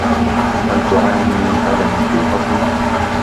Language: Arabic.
هل تعاني من ألم في البطن؟